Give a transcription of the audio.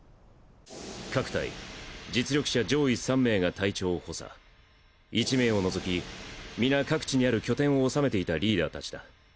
各隊実力者上位３名が隊長を補佐１名を除き皆各地にある拠点を治めていたリーダー達だ。